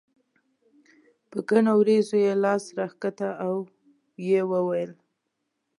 په ګڼو وريځو یې لاس راښکه او یې وویل.